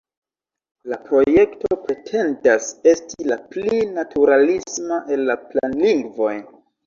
La projekto pretendas esti la pli naturalisma el la planlingvoj.